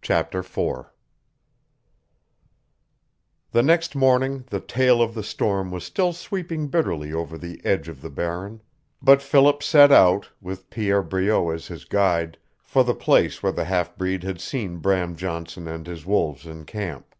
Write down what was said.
CHAPTER IV The next morning the tail of the storm was still sweeping bitterly over the edge of the Barren, but Philip set out, with Pierre Breault as his guide, for the place where the half breed had seen Bram Johnson and his wolves in camp.